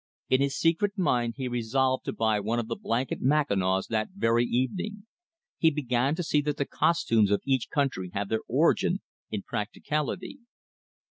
In his secret mind he resolved to buy one of the blanket mackinaws that very evening. He began to see that the costumes of each country have their origin in practicality.